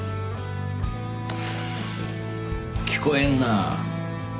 聞こえんな。